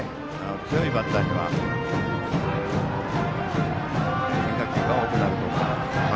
強いバッターには変化球が多くなると思います。